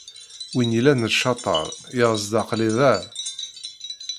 Win yellan d ccaṭer, yaẓ-d aql-i da.